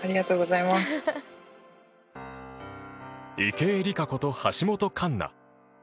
池江璃花子と橋本環奈。